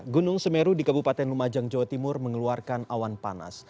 gunung semeru di kabupaten lumajang jawa timur mengeluarkan awan panas